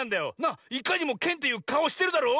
いかにもケンっていうかおしてるだろ？